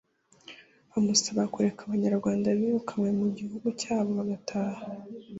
bamusaba kureka Abanyarwanda birukanywe mu gihugu cyabo bagataha,